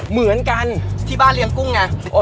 เหมือนกันที่บ้านเลี้ยงกุ้งไง